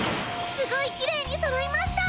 すごいきれいにそろいました。